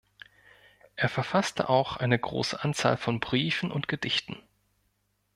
Er verfasste auch eine große Anzahl von Briefen und Gedichten.